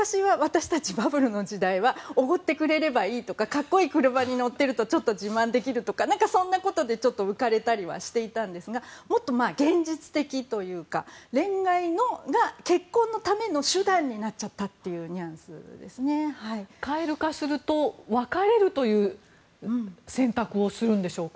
昔は私たちのバブルの時代はおごってくれればいいとか格好いい車に乗ってたらちょっと自慢できるとかそんなことで浮かれたりしていたんですがもっと現実的というか恋愛が結婚のための手段になっちゃったっていう蛙化すると別れるという選択をするんでしょうか。